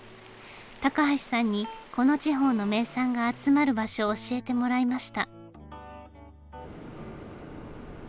高橋さんにこの地方の名産が集まる場所を教えてもらいました。